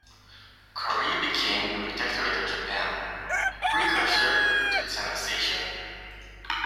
Korea became a protectorate of Japan, a precursor to its annexation.